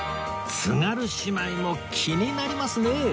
津軽姉妹も気になりますねえ